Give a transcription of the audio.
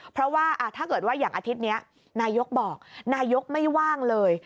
เพราะว่าถ้าเกิดว่าอย่างอาทิตย์นี้นายกรัฐมนตรีบอกนายกรัฐมนตรีไม่ว่างเลย